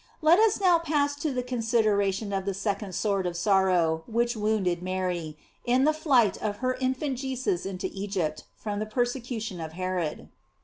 Let us now pass to the consideration of the second sword of sorrow which wounded Mary, in the flight of her infant Jesus into Egypt from the persecution of Herod.